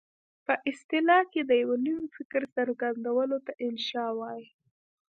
په اصطلاح کې د یوه نوي فکر څرګندولو ته انشأ وايي.